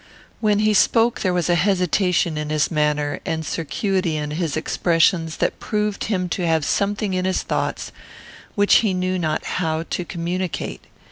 When he spoke there was hesitation in his manner and circuity in his expressions, that proved him to have something in his thoughts which he knew not how to communicate.